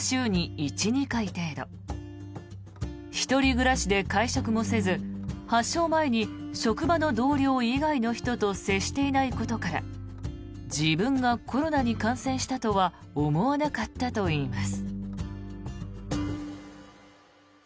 １人暮らしで会食もせず発症前に職場の同僚以外の人と接していないことから自分がコロナに感染したとは思わなかったといいます。